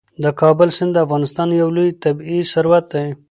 د کابل سیند د افغانستان یو لوی طبعي ثروت دی.